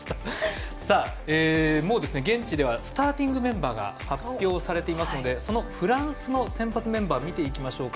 もう、現地ではスターティングメンバーが発表されていますのでそのフランスの先発メンバーを見ていきましょう。